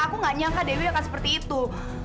aku gak nyangka dewi akan seperti itu